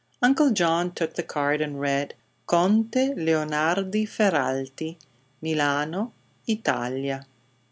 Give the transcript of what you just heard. Uncle John took the card and read: "CONTE LEONARDI FERRALTI, Milano, Italia."